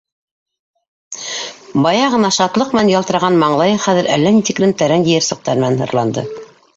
Бая ғына шатлыҡ менән ялтыраған маңлайы хәҙер әллә ни тиклем тәрән йыйырсыҡтар менән һырланды.